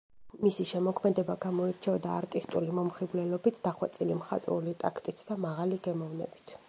მისი შემოქმედება გამოირჩეოდა არტისტული მომხიბვლელობით, დახვეწილი მხატვრული ტაქტით და მაღალი გემოვნებით.